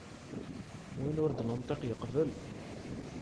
Win ur d-nenṭiq yeqbel.